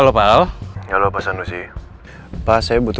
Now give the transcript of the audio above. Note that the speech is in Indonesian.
tapi sebenernya repet